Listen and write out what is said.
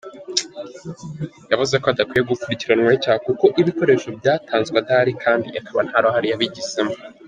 Yavuze ko adakwiye gukurikiranwaho icyaha kuko ibikoresho byatanzwe adahari kandi akaba nta ruhare yabigizemo.